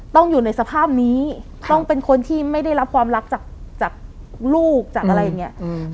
ต้องอยู่ในสภาพนี้ต้องเป็นคนที่ไม่ได้รับความรักจากลูกจากอะไรอย่างนี้